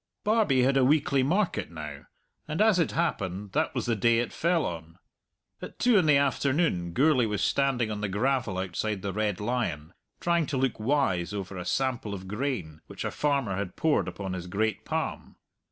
Barbie had a weekly market now, and, as it happened, that was the day it fell on. At two in the afternoon Gourlay was standing on the gravel outside the Red Lion, trying to look wise over a sample of grain which a farmer had poured upon his great palm.